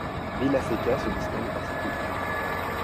Vilaseca se distingue par sa culture.